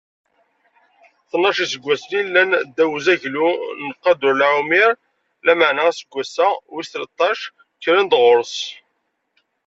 Tnac n iseggasen i llan ddaw n uzaglu n Kadurlaɛumir, lameɛna aseggas wis tleṭṭac, kkren-d ɣur-s.